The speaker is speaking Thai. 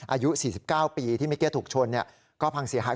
อายุ๔๙ปีที่เมื่อกี้ถูกชนก็พังเสียหาย